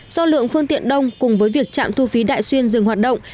do lượng phương tiện đông cùng với việc trạm thu phí đại xuyên dừng hoạt động